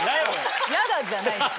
ヤダじゃないでしょ。